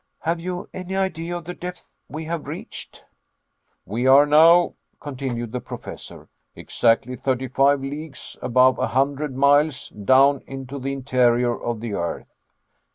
"Have you any idea of the depth we have reached?" "We are now," continued the Professor, "exactly thirty five leagues above a hundred miles down into the interior of the earth."